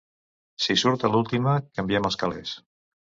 Si surt a l'última, canviem els calés.